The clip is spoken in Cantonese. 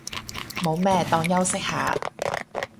冇咩，當休息下